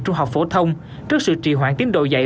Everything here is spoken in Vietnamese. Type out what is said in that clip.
trung học phổ thông trước sự trì hoãn tiến độ dạy